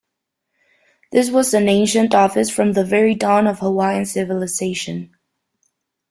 This was an ancient office from the very dawn of Hawaiian civilization.